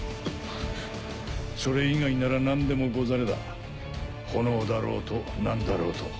それ以外なら何でもござれだ炎だろうと何だろうと。